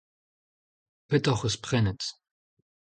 Petra hoc'h eus prenet ?